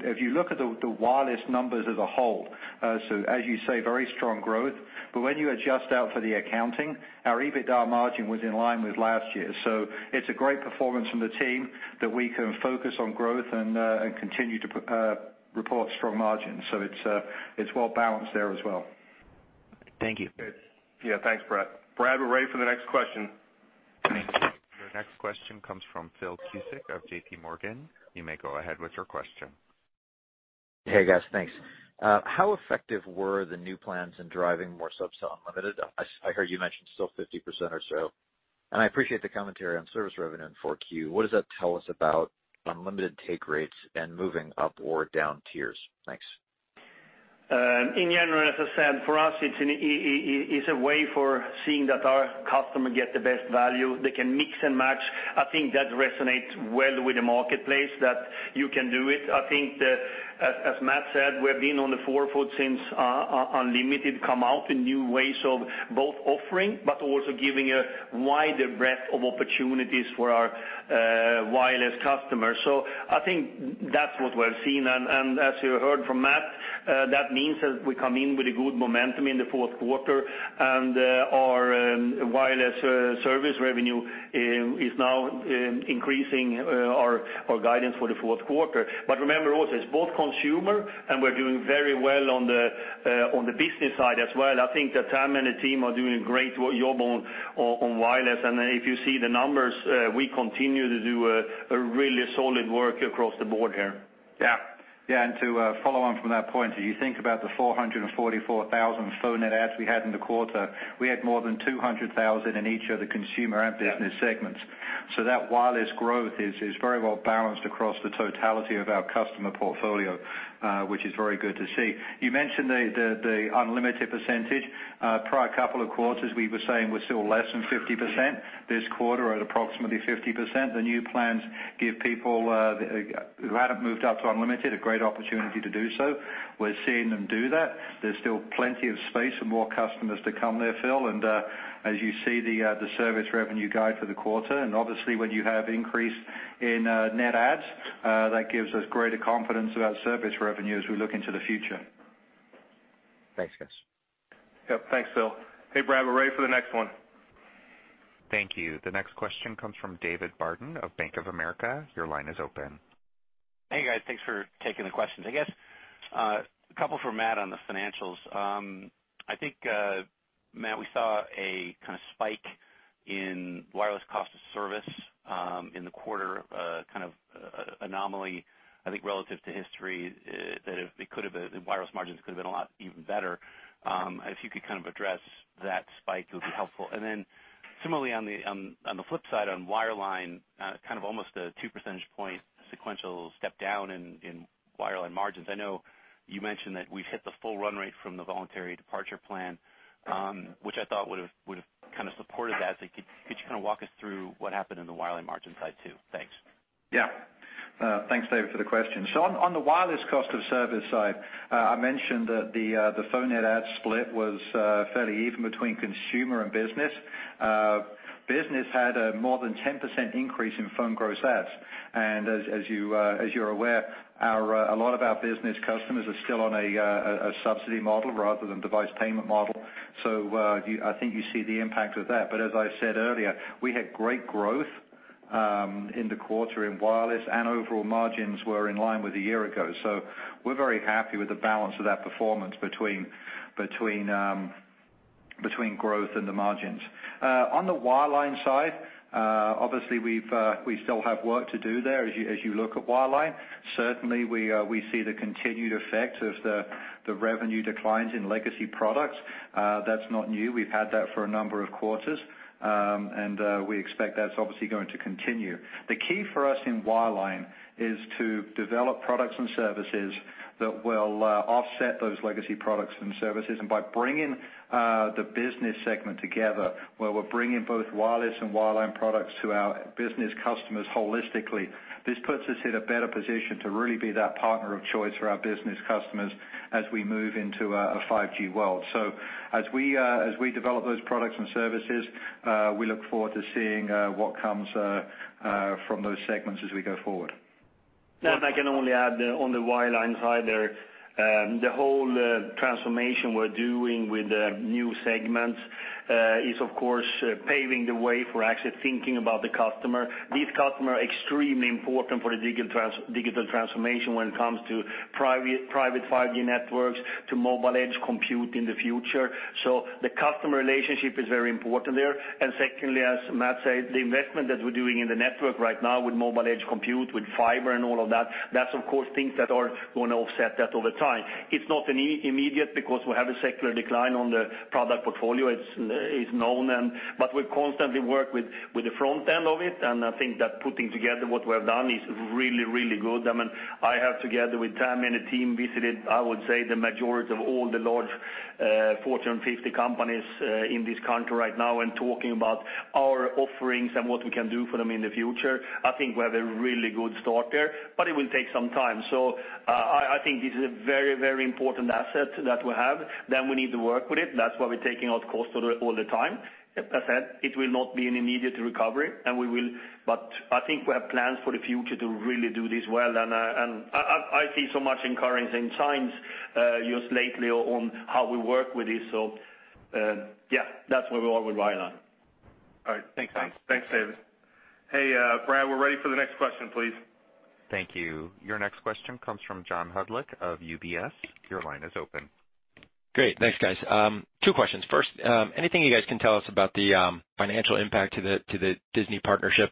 If you look at the wireless numbers as a whole, so as you say, very strong growth. When you adjust out for the accounting, our EBITDA margin was in line with last year. It's a great performance from the team that we can focus on growth and continue to report strong margins. It's well-balanced there as well. Thank you. Yeah. Thanks, Brett. Brad, we're ready for the next question. Thank you. Your next question comes from Philip Cusick of JPMorgan. You may go ahead with your question. Hey, guys. Thanks. How effective were the new plans in driving more subs to Unlimited? I heard you mentioned still 50% or so. I appreciate the commentary on service revenue in 4Q. What does that tell us about Unlimited take rates and moving up or down tiers? Thanks. In general, as I said, for us, it's a way for seeing that our customer get the best value. They can mix and match. I think that resonates well with the marketplace that you can do it. I think that, as Matt said, we've been on the forefront since Unlimited come out in new ways of both offering, but also giving a wider breadth of opportunities for our wireless customers. I think that's what we're seeing. As you heard from Matt, that means that we come in with a good momentum in the fourth quarter and our wireless service revenue is now increasing our guidance for the fourth quarter. Remember also, it's both Consumer, and we're doing very well on the Business side as well. I think that Tam and the team are doing a great job on wireless. If you see the numbers, we continue to do a really solid work across the board here. Yeah. To follow on from that point, as you think about the 444,000 phone net adds we had in the quarter, we had more than 200,000 in each of the consumer and business segments. That wireless growth is very well-balanced across the totality of our customer portfolio, which is very good to see. You mentioned the Unlimited %. Prior couple of quarters, we were saying we're still less than 50%. This quarter at approximately 50%. The new plans give people who hadn't moved up to Unlimited a great opportunity to do so. We're seeing them do that. There's still plenty of space for more customers to come there, Phil. As you see the service revenue guide for the quarter, and obviously when you have increase in net adds, that gives us greater confidence about service revenue as we look into the future. Thanks, guys. Yep. Thanks, Phil. Hey, Brad, we're ready for the next one. Thank you. The next question comes from David Barden of Bank of America. Your line is open. Hey, guys. Thanks for taking the questions. I guess, a couple for Matt on the financials. I think, Matt, we saw a spike in wireless cost of service in the quarter, a kind of anomaly, I think, relative to history, that wireless margins could have been a lot even better. If you could address that spike, it would be helpful. Similarly on the flip side, on wireline, almost a two percentage point sequential step down in wireline margins. I know you mentioned that we've hit the full run rate from the voluntary departure plan, which I thought would've supported that. Could you walk us through what happened in the wireline margin side, too? Thanks. Thanks, David, for the question. On the wireless cost of service side, I mentioned that the phone net add split was fairly even between consumer and business. Business had a more than 10% increase in phone gross adds. As you're aware, a lot of our business customers are still on a subsidy model rather than device payment model. I think you see the impact of that. As I said earlier, we had great growth in the quarter in wireless and overall margins were in line with a year ago. We're very happy with the balance of that performance between growth and the margins. On the wireline side, obviously we still have work to do there. As you look at wireline, certainly we see the continued effect of the revenue declines in legacy products. That's not new. We've had that for a number of quarters. We expect that's obviously going to continue. The key for us in wireline is to develop products and services that will offset those legacy products and services. By bringing the business segment together, where we're bringing both wireless and wireline products to our business customers holistically, this puts us in a better position to really be that partner of choice for our business customers as we move into a 5G world. As we develop those products and services, we look forward to seeing what comes from those segments as we go forward. I can only add on the wireline side there, the whole transformation we're doing with the new segments is, of course, paving the way for actually thinking about the customer. These customers are extremely important for the digital transformation when it comes to private 5G networks, to 5G mobile edge compute in the future. The customer relationship is very important there. Secondly, as Matt said, the investment that we're doing in the network right now with 5G mobile edge compute, with fiber and all of that's of course things that are going to offset that over time. It's not immediate because we have a secular decline on the product portfolio. It's known, but we constantly work with the front end of it. I think that putting together what we have done is really, really good. I have together with Tami and the team visited, I would say, the majority of all the large Fortune 50 companies in this country right now and talking about our offerings and what we can do for them in the future. I think we have a really good start there, but it will take some time. I think this is a very important asset that we have. We need to work with it. That's why we're taking out costs all the time. As I said, it will not be an immediate recovery. I think we have plans for the future to really do this well. I see so much encouraging signs just lately on how we work with this. Yeah, that's where we are with wireline. All right. Thanks. Thanks. Thanks, Hans. Hey, Brad, we're ready for the next question, please. Thank you. Your next question comes from John Hodulik of UBS. Your line is open. Anything you guys can tell us about the financial impact to the Disney partnership?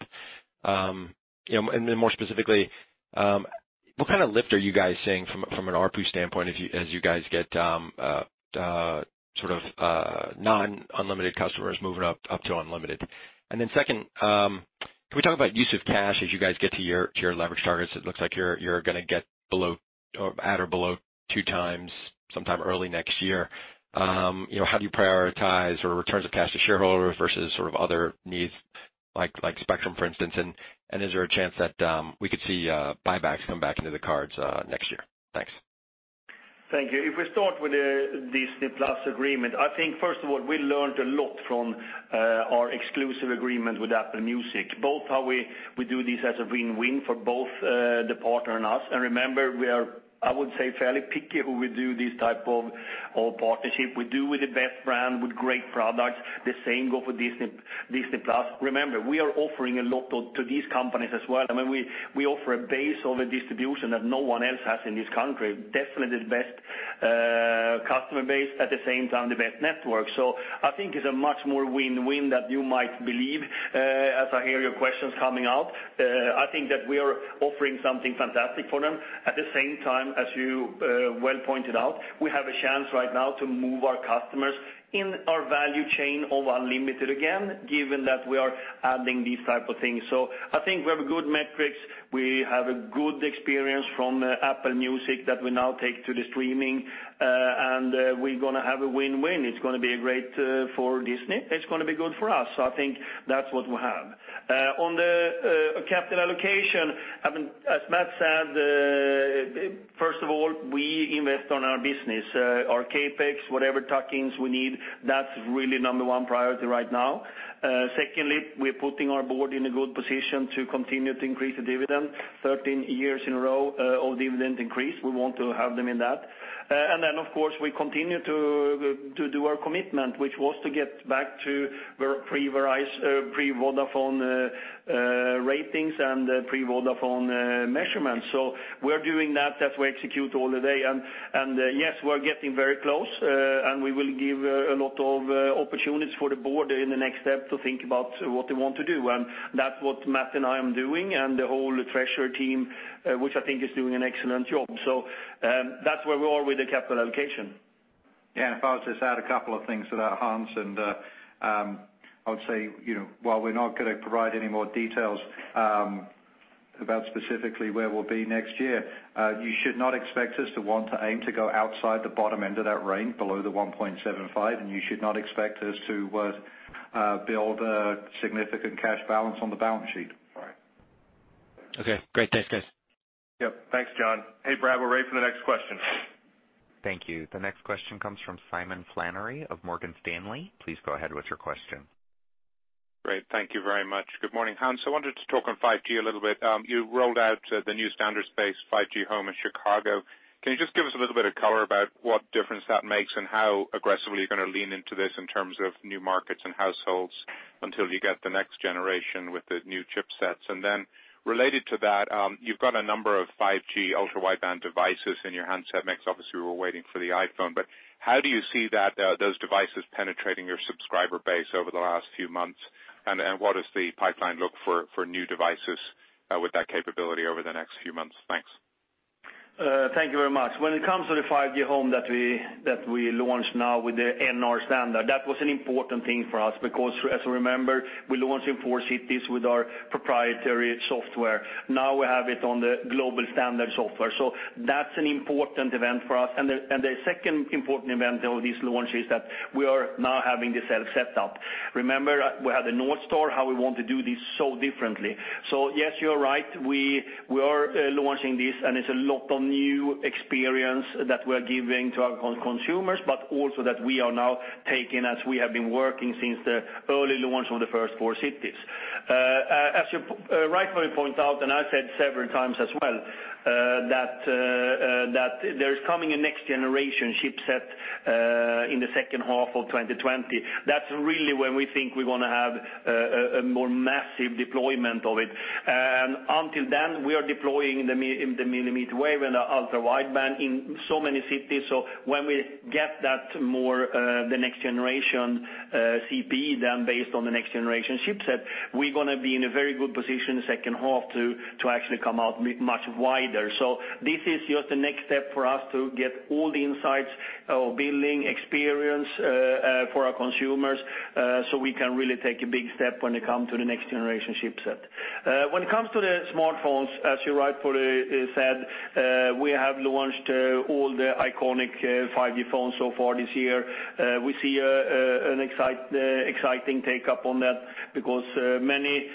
More specifically, what kind of lift are you guys seeing from an ARPU standpoint as you guys get non-unlimited customers moving up to unlimited? Second, can we talk about use of cash as you guys get to your leverage targets? It looks like you're going to get at or below two times sometime early next year. How do you prioritize returns of cash to shareholders versus other needs like spectrum, for instance? Is there a chance that we could see buybacks come back into the cards next year? Thanks. Thank you. If we start with the Disney+ agreement, I think first of all, we learned a lot from our exclusive agreement with Apple Music, both how we do this as a win-win for both the partner and us. Remember, we are, I would say, fairly picky who we do this type of partnership. We do with the best brand, with great products. The same go for Disney+. Remember, we are offering a lot to these companies as well. We offer a base of a distribution that no one else has in this country. Definitely the best customer base, at the same time, the best network. I think it's a much more win-win that you might believe, as I hear your questions coming out. I think that we are offering something fantastic for them. At the same time, as you well pointed out, we have a chance right now to move our customers in our value chain of unlimited again, given that we are adding these type of things. I think we have good metrics. We have a good experience from Apple Music that we now take to the streaming, and we're going to have a win-win. It's going to be great for Disney+. It's going to be good for us. I think that's what we have. On the capital allocation, as Matt said, first of all, we invest on our business. Our CapEx, whatever tuck-ins we need, that's really number one priority right now. Secondly, we're putting our board in a good position to continue to increase the dividend. 13 years in a row of dividend increase. We want to have them in that. Of course, we continue to do our commitment, which was to get back to pre-Vodafone ratings and pre-Vodafone measurements. We're doing that as we execute all day. Yes, we're getting very close. We will give a lot of opportunities for the board in the next step to think about what they want to do. That's what Matt and I am doing and the whole treasury team, which I think is doing an excellent job. That's where we are with the capital allocation. Yeah. If I was just to add a couple of things to that, Hans, I would say, while we're not going to provide any more details about specifically where we'll be next year, you should not expect us to want to aim to go outside the bottom end of that range below the $1.75, you should not expect us to build a significant cash balance on the balance sheet. All right. Okay, great. Thanks, guys. Yep. Thanks, John. Hey, Brad, we're ready for the next question. Thank you. The next question comes from Simon Flannery of Morgan Stanley. Please go ahead with your question. Great. Thank you very much. Good morning, Hans. I wanted to talk on 5G a little bit. You rolled out the new standard space, 5G Home, in Chicago. Can you just give us a little bit of color about what difference that makes and how aggressively you're going to lean into this in terms of new markets and households until you get the next generation with the new chipsets? Related to that, you've got a number of 5G Ultra Wideband devices in your handset mix. Obviously, we're waiting for the iPhone, but how do you see those devices penetrating your subscriber base over the last few months? What does the pipeline look for new devices with that capability over the next few months? Thanks. Thank you very much. When it comes to the 5G Home that we launched now with the NR standard, that was an important thing for us because, as you remember, we launched in four cities with our proprietary software. We have it on the global standard software. That's an important event for us. The second important event of this launch is that we are now having the self-setup. Remember, we had the North Star, how we want to do this so differently. Yes, you're right. We are launching this, and it's a lot of new experience that we're giving to our consumers, but also that we are now taking as we have been working since the early launch of the first four cities. As you rightfully point out, and I've said several times as well, that there's coming a next generation chipset in the second half of 2020. That's really when we think we're going to have a more massive deployment of it. Until then, we are deploying the millimeter wave and the Ultra Wideband in so many cities. When we get that more, the next generation CPE, then based on the next generation chipset, we're going to be in a very good position second half to actually come out much wider. This is just the next step for us to get all the insights or building experience for our consumers, so we can really take a big step when it comes to the next generation chipset. When it comes to the smartphones, as you rightfully said, we have launched all the iconic 5G phones so far this year. We see an exciting take-up on that because many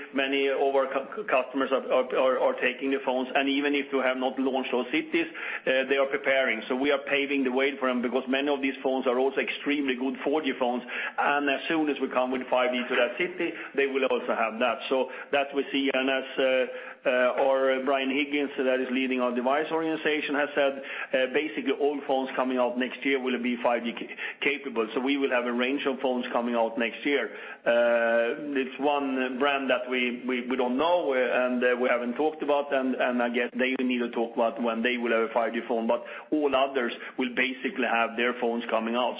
of our customers are taking the phones, and even if you have not launched those cities, they are preparing. We are paving the way for them because many of these phones are also extremely good 4G phones, and as soon as we come with 5G to that city, they will also have that. That we see, and as our Brian Higgins, that is leading our device organization, has said, basically all phones coming out next year will be 5G capable. We will have a range of phones coming out next year. It's one brand that we don't know and we haven't talked about, and I guess they need to talk about when they will have a 5G phone. All others will basically have their phones coming out.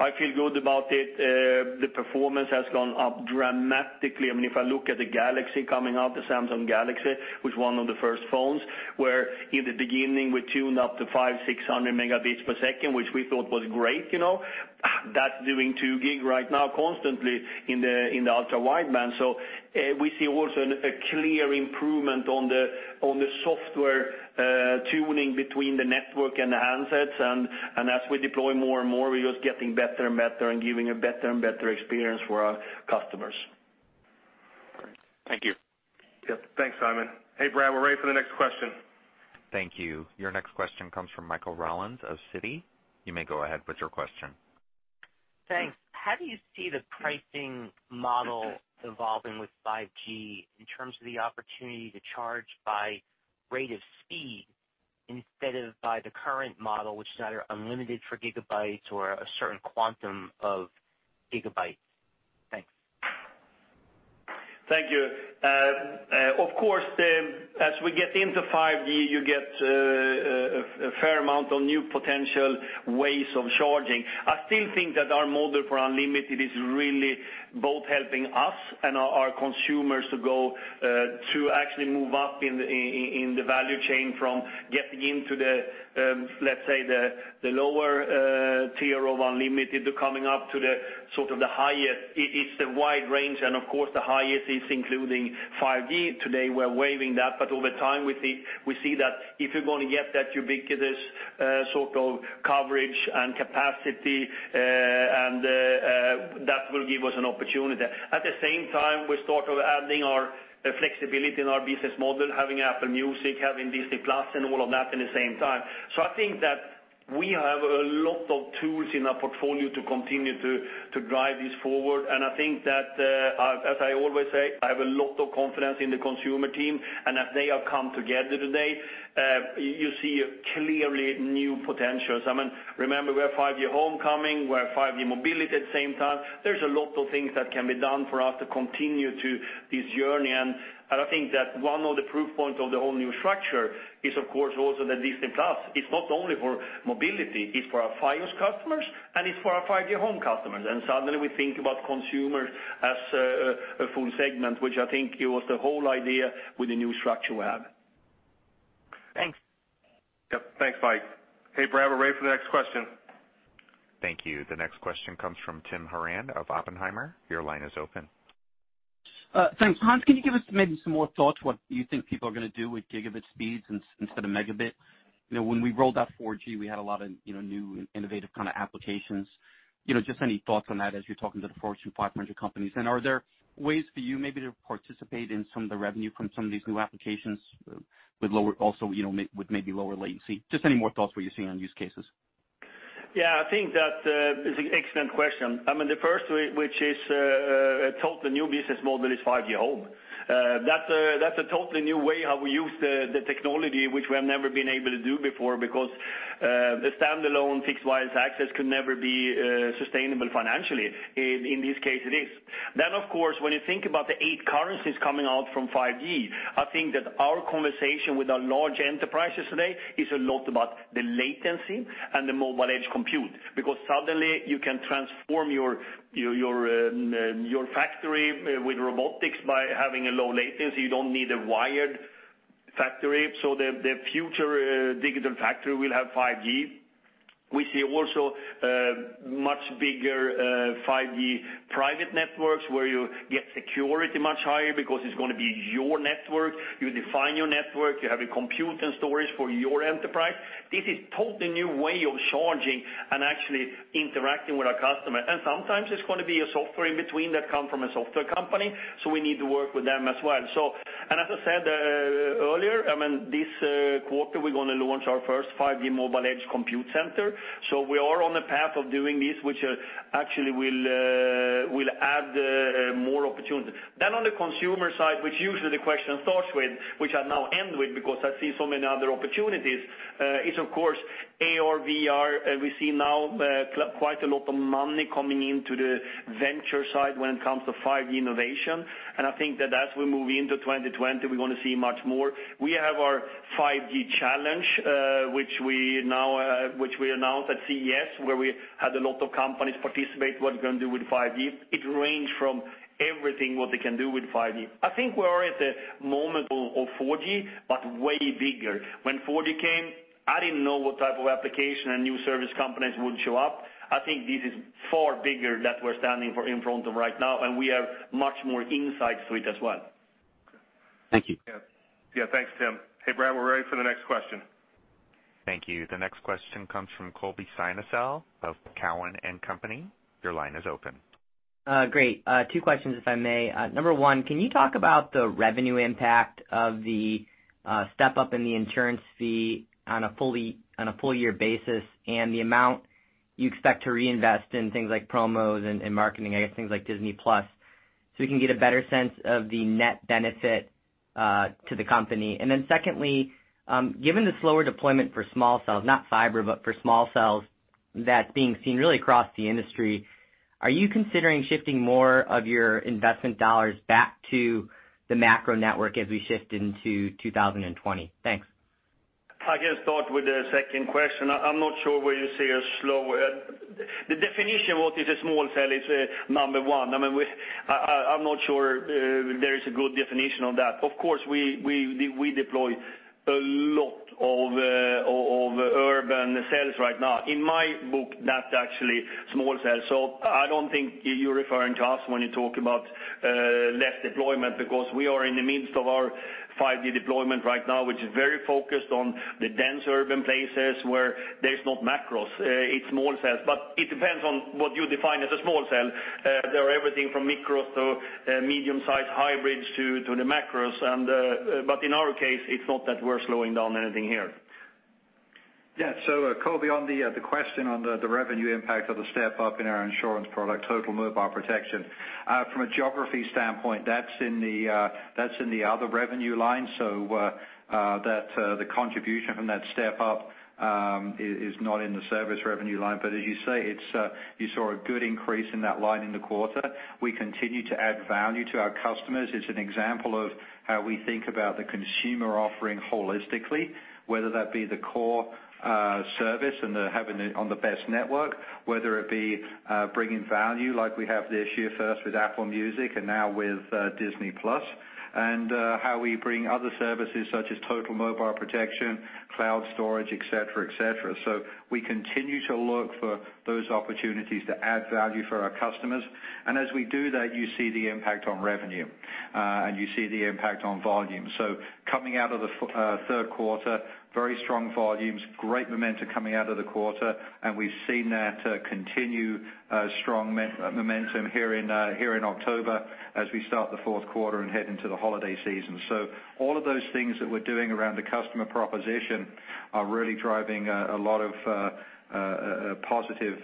I feel good about it. The performance has gone up dramatically. If I look at the Galaxy coming out, the Samsung Galaxy, was one of the first phones, where in the beginning, we tuned up to 500, 600 Mbps, which we thought was great. That's doing 2 Gbps right now constantly in the Ultra Wideband. We see also a clear improvement on the software tuning between the network and the handsets. As we deploy more and more, we're just getting better and better and giving a better and better experience for our customers. Great. Thank you. Yep. Thanks, Simon. Hey, Brad, we're ready for the next question. Thank you. Your next question comes from Michael Rollins of Citi. You may go ahead with your question. Thanks. How do you see the pricing model evolving with 5G in terms of the opportunity to charge by rate of speed instead of by the current model, which is either unlimited for gigabytes or a certain quantum of gigabytes? Thanks. Thank you. Of course, as we get into 5G, you get a fair amount of new potential ways of charging. I still think that our model for unlimited is really both helping us and our consumers to actually move up in the value chain from getting into the, let's say, the lower tier of unlimited to coming up to the highest. It's a wide range, and of course, the highest is including 5G. Today, we're waiving that, but over time, we see that if you're going to get that ubiquitous sort of coverage and capacity, that will give us an opportunity. At the same time, we start adding our flexibility in our business model, having Apple Music, having Disney+, and all of that at the same time. I think that we have a lot of tools in our portfolio to continue to drive this forward. I think that, as I always say, I have a lot of confidence in the consumer team, and as they have come together today, you see clearly new potentials. Remember, we have 5G Home, we have 5G mobility at the same time. There's a lot of things that can be done for us to continue this journey. I think that one of the proof points of the whole new structure is, of course, also the Disney+. It's not only for mobility, it's for our Fios customers, and it's for our 5G Home customers. Suddenly we think about consumers as a full segment, which I think it was the whole idea with the new structure we have. Thanks. Yep. Thanks, Mike. Hey, Brad, we're ready for the next question. Thank you. The next question comes from Timothy Horan of Oppenheimer. Your line is open. Thanks. Hans, can you give us maybe some more thoughts what you think people are going to do with gigabit speeds instead of megabit? When we rolled out 4G, we had a lot of new innovative applications. Just any thoughts on that as you're talking to the Fortune 500 companies. Are there ways for you maybe to participate in some of the revenue from some of these new applications also with maybe lower latency? Just any more thoughts what you're seeing on use cases. Yeah, I think that is an excellent question. The first, which is a totally new business model, is 5G Home. That's a totally new way how we use the technology, which we have never been able to do before, because a standalone fixed-wire access could never be sustainable financially. In this case, it is. Of course, when you think about the eight currencies coming out from 5G, I think that our conversation with our large enterprises today is a lot about the latency and the mobile edge compute. Suddenly, you can transform your factory with robotics by having a low latency. You don't need a wired factory, so the future digital factory will have 5G. We see also much bigger 5G private networks where you get security much higher because it's going to be your network. You define your network. You have your compute and storage for your enterprise. This is totally new way of charging and actually interacting with our customer. Sometimes there's going to be a software in between that come from a software company, so we need to work with them as well. As I said earlier, this quarter, we're going to launch our first 5G mobile edge compute center. We are on the path of doing this, which actually will add more opportunities. On the consumer side, which usually the question starts with, which I now end with because I see so many other opportunities, is of course AR/VR. We see now quite a lot of money coming into the venture side when it comes to 5G innovation, and I think that as we move into 2020, we're going to see much more. We have our 5G Challenge, which we announced at CES, where we had a lot of companies participate, what you can do with 5G. It ranged from everything what they can do with 5G. I think we are at the moment of 4G, but way bigger. When 4G came, I didn't know what type of application and new service companies would show up. I think this is far bigger that we're standing in front of right now, and we have much more insights to it as well. Thank you. Yeah. Thanks, Tim. Hey, Brad, we're ready for the next question. Thank you. The next question comes from Colby Synesael of Cowen and Company. Your line is open. Great. Two questions, if I may. Number 1, can you talk about the revenue impact of the step-up in the insurance fee on a full year basis and the amount you expect to reinvest in things like promos and marketing, I guess things like Disney+, so we can get a better sense of the net benefit to the company. Secondly, given the slower deployment for small cells, not fiber, but for small cells, that's being seen really across the industry, are you considering shifting more of your investment dollars back to the macro network as we shift into 2020? Thanks. I guess start with the second question. I'm not sure where you see a slow. The definition what is a small cell is number one. I'm not sure there is a good definition of that. Of course, we deploy a lot of urban cells right now. In my book, that's actually small cells. I don't think you're referring to us when you talk about less deployment because we are in the midst of our 5G deployment right now, which is very focused on the dense urban places where there's not macros. It's small cells, but it depends on what you define as a small cell. They're everything from micros to medium-sized hybrids to the macros. In our case, it's not that we're slowing down anything here. Colby, on the question on the revenue impact of the step-up in our insurance product, Total Mobile Protection. From a geography standpoint, that's in the other revenue line. The contribution from that step-up is not in the service revenue line. As you say, you saw a good increase in that line in the quarter. We continue to add value to our customers. It's an example of how we think about the consumer offering holistically, whether that be the core service and having it on the best network, whether it be bringing value like we have this year first with Apple Music and now with Disney+, and how we bring other services such as Total Mobile Protection, cloud storage, et cetera. We continue to look for those opportunities to add value for our customers. As we do that, you see the impact on revenue, and you see the impact on volume. Coming out of the third quarter, very strong volumes, great momentum coming out of the quarter, and we've seen that continue strong momentum here in October as we start the fourth quarter and head into the holiday season. All of those things that we're doing around the customer proposition are really driving a lot of positive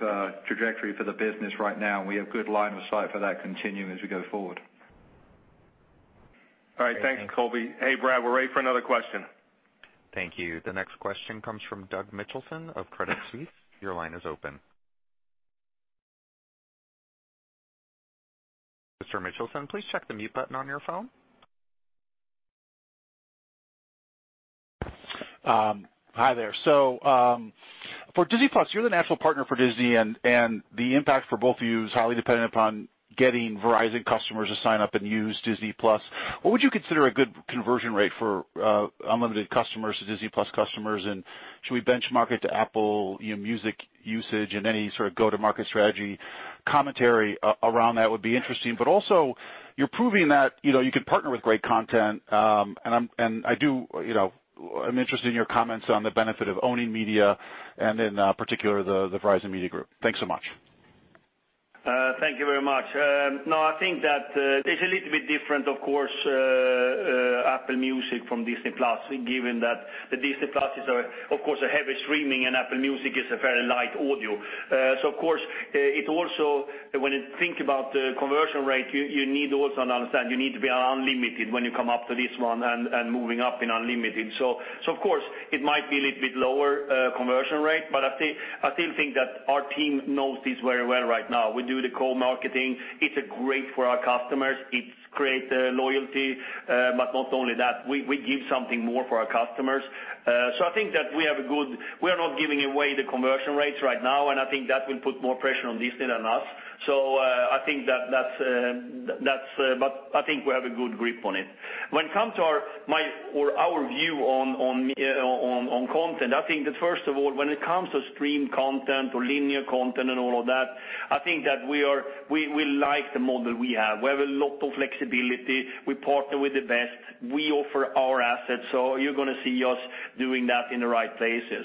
trajectory for the business right now. We have good line of sight for that continuing as we go forward. All right. Thanks, Colby. Hey, Brad, we're ready for another question. Thank you. The next question comes from Douglas Mitchelson of Credit Suisse. Your line is open. Mr. Mitchelson, please check the mute button on your phone. Hi there. For Disney+, you're the natural partner for Disney, and the impact for both of you is highly dependent upon getting Verizon customers to sign up and use Disney+. What would you consider a good conversion rate for unlimited customers to Disney+ customers, and should we benchmark it to Apple Music usage and any sort of go-to-market strategy commentary around that would be interesting. You're proving that you can partner with great content, and I'm interested in your comments on the benefit of owning media and in particular, the Verizon Media Group. Thanks so much. Thank you very much. No, I think that it's a little bit different, of course, Apple Music from Disney+, given that the Disney+ is, of course, a heavy streaming and Apple Music is a very light audio. Of course, when you think about the conversion rate, you need to also understand, you need to be on unlimited when you come up to this one and moving up in unlimited. Of course, it might be a little bit lower conversion rate, but I still think that our team knows this very well right now. We do the co-marketing. It's great for our customers. It creates loyalty. Not only that, we give something more for our customers. I think that we are not giving away the conversion rates right now, and I think that will put more pressure on Disney than us. I think we have a good grip on it. When it comes to our view on content, I think that first of all, when it comes to stream content or linear content and all of that, I think that we like the model we have. We have a lot of flexibility. We partner with the best. We offer our assets, you're going to see us doing that in the right places.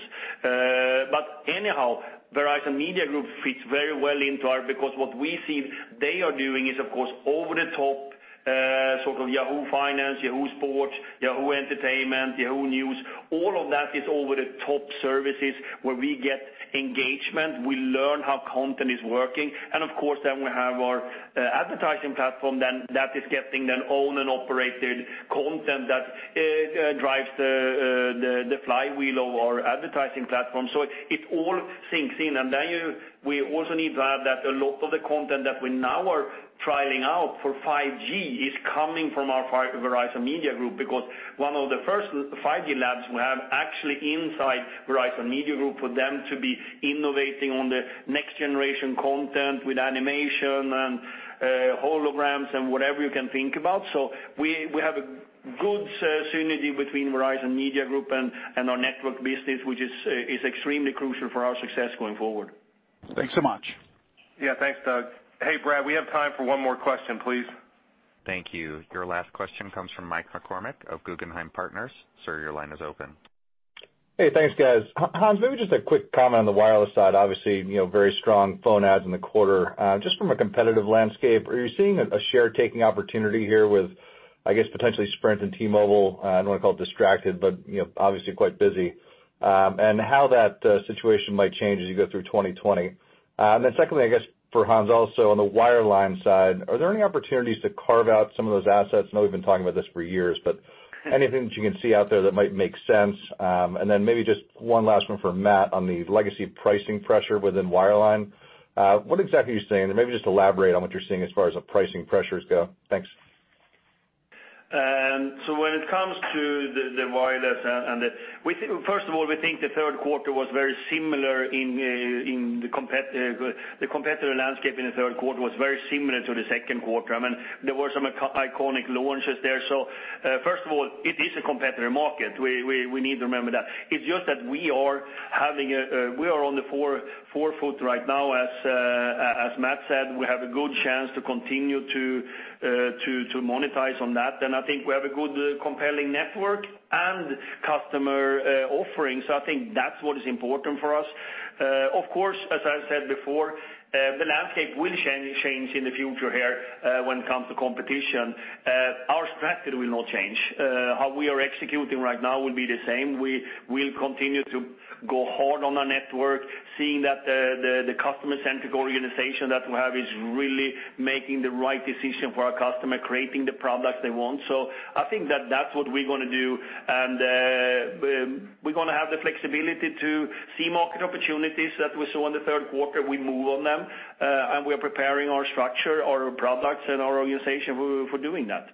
Anyhow, Verizon Media Group fits very well into our, because what we see they are doing is, of course, over-the-top sort of Yahoo Finance, Yahoo Sports, Yahoo Entertainment, Yahoo News. All of that is over-the-top services where we get engagement. We learn how content is working. Of course, then we have our advertising platform, that is getting owned and operated content that drives the flywheel of our advertising platform. It all sinks in. We also need to add that a lot of the content that we now are trialing out for 5G is coming from our Verizon Media Group, because one of the first 5G labs we have actually inside Verizon Media Group for them to be innovating on the next generation content with animation and holograms and whatever you can think about. We have a good synergy between Verizon Media Group and our network business, which is extremely crucial for our success going forward. Thanks so much. Yeah. Thanks, Doug. Hey, Brad, we have time for one more question, please. Thank you. Your last question comes from Michael McCormack of Guggenheim Partners. Sir, your line is open. Hey, thanks, guys. Hans, maybe just a quick comment on the wireless side. Obviously, very strong phone ads in the quarter. Just from a competitive landscape, are you seeing a share taking opportunity here with, I guess, potentially Sprint and T-Mobile? I don't want to call it distracted, but obviously quite busy. How that situation might change as you go through 2020. Secondly, I guess for Hans also, on the wireline side, are there any opportunities to carve out some of those assets? I know we've been talking about this for years, but anything that you can see out there that might make sense. Maybe just one last one for Matt on the legacy pricing pressure within wireline. What exactly are you seeing there? Maybe just elaborate on what you're seeing as far as the pricing pressures go. Thanks. When it comes to the wireless, first of all, we think the competitor landscape in the third quarter was very similar to the second quarter. There were some iconic launches there. First of all, it is a competitive market. We need to remember that. It's just that we are on the forefoot right now, as Matt said. We have a good chance to continue to monetize on that. I think we have a good compelling network and customer offerings. I think that's what is important for us. Of course, as I said before, the landscape will change in the future here when it comes to competition. Our strategy will not change. How we are executing right now will be the same. We'll continue to go hard on our network, seeing that the customer-centric organization that we have is really making the right decision for our customer, creating the products they want. I think that that's what we're going to do. We're going to have the flexibility to see market opportunities that we saw in the third quarter, we move on them, and we're preparing our structure, our products, and our organization for doing that.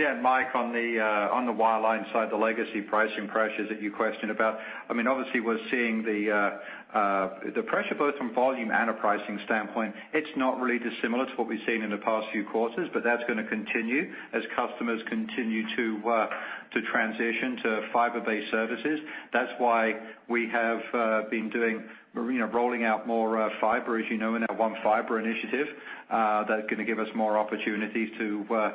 Yeah, Mike, on the wireline side, the legacy pricing pressures that you questioned about. Obviously, we're seeing the pressure both from volume and a pricing standpoint. It's not really dissimilar to what we've seen in the past few quarters, but that's going to continue as customers continue to transition to fiber-based services. That's why we have been rolling out more fiber, as you know, in our One Fiber initiative. That's going to give us more opportunities to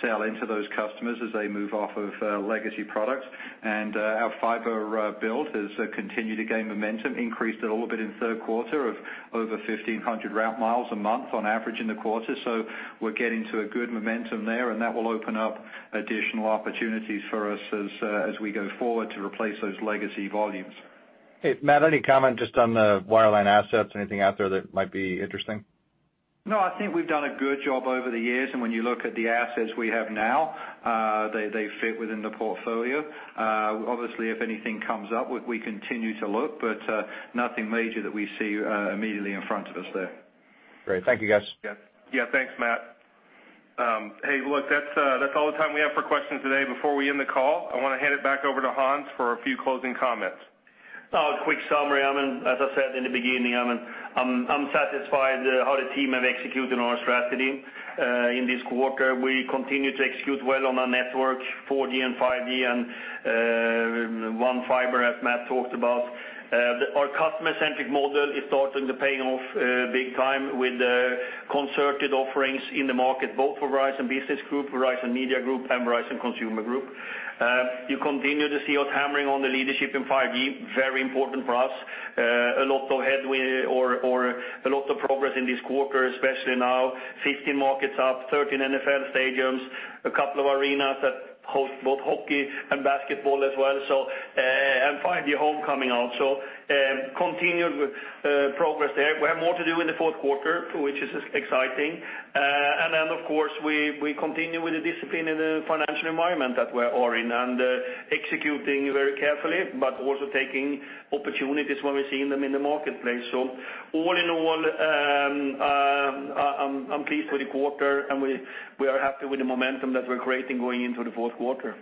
sell into those customers as they move off of legacy products. Our fiber build has continued to gain momentum, increased a little bit in the third quarter of over 1,500 route miles a month on average in the quarter. We're getting to a good momentum there, and that will open up additional opportunities for us as we go forward to replace those legacy volumes. Hey, Matt, any comment just on the wireline assets? Anything out there that might be interesting? I think we've done a good job over the years, and when you look at the assets we have now, they fit within the portfolio. Obviously, if anything comes up, we continue to look, but nothing major that we see immediately in front of us there. Great. Thank you, guys. Yeah. Thanks, Matt. Hey, look, that's all the time we have for questions today. Before we end the call, I want to hand it back over to Hans for a few closing comments. A quick summary. As I said in the beginning, I'm satisfied how the team have executed our strategy in this quarter. We continue to execute well on our network, 4G and 5G, and One Fiber, as Matt talked about. Our customer-centric model is starting to pay off big time with concerted offerings in the market, both for Verizon Business Group, Verizon Media Group, and Verizon Consumer Group. You continue to see us hammering on the leadership in 5G, very important for us. A lot of progress in this quarter, especially now. 15 markets up, 13 NFL stadiums, a couple of arenas that host both hockey and basketball as well. 5G Home coming out, continued progress there. We have more to do in the fourth quarter, which is exciting. Of course, we continue with the discipline in the financial environment that we are in and executing very carefully, but also taking opportunities when we see them in the marketplace. All in all, I'm pleased with the quarter, and we are happy with the momentum that we're creating going into the fourth quarter.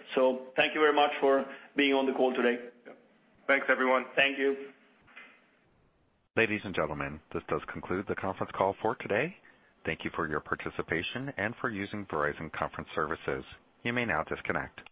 Thank you very much for being on the call today. Thanks, everyone. Thank you. Ladies and gentlemen, this does conclude the conference call for today. Thank you for your participation and for using Verizon Conferencing Services. You may now disconnect.